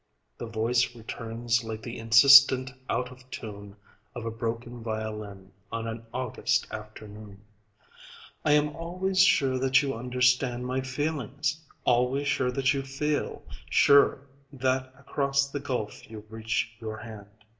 The voice returns like the insistent out of tune Of a broken violin on an August afternoon: "I am always sure that you understand My feelings, always sure that you feel, Sure that across the gulf you reach your hand.